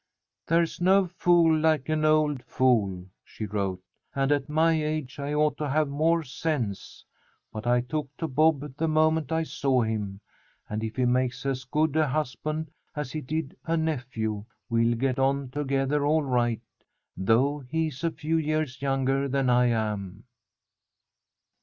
"There's no fool like an old fool," she wrote, "and at my age I ought to have more sense. But I took to Bob the moment I saw him, and if he makes as good a husband as he did a nephew we'll get on together all right though he is a few years younger than I am."